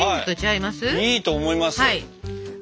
いいと思います。